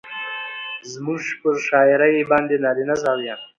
زموږ پر شاعرۍ باندې نارينه زاويه